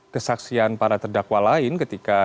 kesaksian para terdakwa lain ketika